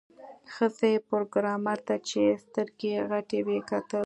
ښځې پروګرامر ته چې سترګې یې غټې وې وکتل